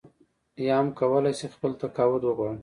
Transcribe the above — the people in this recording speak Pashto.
یا هم کولای شي خپل تقاعد وغواړي.